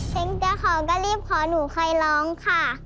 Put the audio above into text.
เช้งจะขอก็รีบขอหนูใครร้องค่ะ